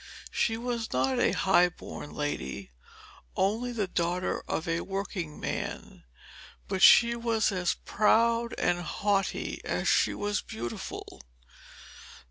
She was not a highborn lady, only the daughter of a working man, but she was as proud and haughty as she was beautiful.